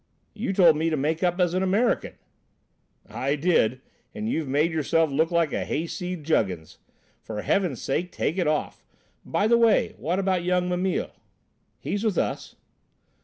"You told me to make up as an American." "I did, and you've made yourself look like a hayseed juggins. For Heaven's sake, take it off. By the way, what about young Mimile?" "He's with us."